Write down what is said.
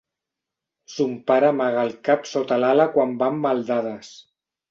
Son pare amaga el cap sota l'ala quan van mal dades.